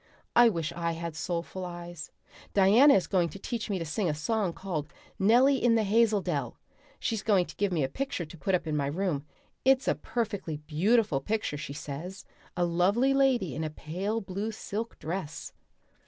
I wish I had soulful eyes. Diana is going to teach me to sing a song called 'Nelly in the Hazel Dell.' She's going to give me a picture to put up in my room; it's a perfectly beautiful picture, she says a lovely lady in a pale blue silk dress.